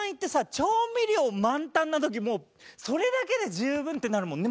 調味料満タンな時もうそれだけで十分ってなるもんね。